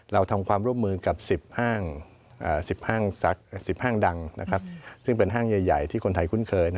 เราทำความร่วมมือกับ๑๐ห้างดังซึ่งเป็นห้างใหญ่ที่คนไทยคุ้นเคย